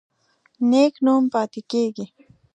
نیک نوم پاتې کیږي